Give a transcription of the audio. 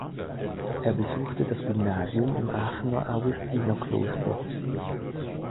Er besuchte das Gymnasium in Aachener Augustinerkloster.